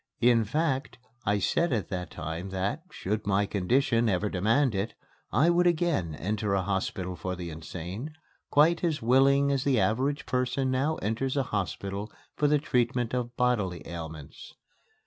In fact, I said at that time that, should my condition ever demand it, I would again enter a hospital for the insane, quite as willingly as the average person now enters a hospital for the treatment of bodily ailments.